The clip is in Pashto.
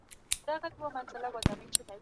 ايا د پانګي دوران ستاسو په سوداګرۍ کي چټک دی؟